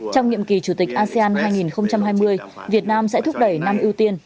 trong nhiệm kỳ chủ tịch asean hai nghìn hai mươi việt nam sẽ thúc đẩy năm ưu tiên